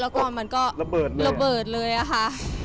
แล้วก็มันก็ระเบิดเลยค่ะ